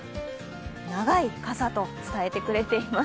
長い傘と伝えてくれています。